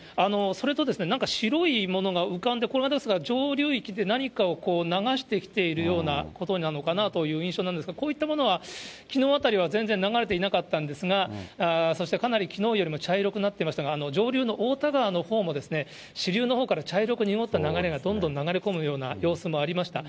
それとなんか白いものが浮かんで、これが上流域で何かを流してきているようなことなのかなという印象なんですが、こういったものはきのうあたりは全然流れていなかったんですが、そしてかなりきのうよりも茶色くなっていましたが、上流の太田川のほうも、支流のほうから茶色く濁った水がどんどん流れ込むような様子もありました。